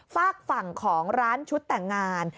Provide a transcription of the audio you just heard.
ฝากฝั่งของร้านชุดแต่งงาน